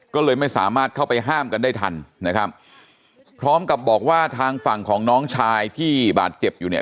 ก็เลยไม่สามารถเข้าไปห้ามกันได้ทันนะครับพร้อมกับบอกว่าทางฝั่งของน้องชายที่บาดเจ็บอยู่เนี่ย